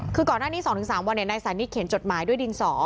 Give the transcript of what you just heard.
คือก่อนหน้านี้สองถึงสามวันเนี้ยนายสานิดเขียนจดหมายด้วยดินสอ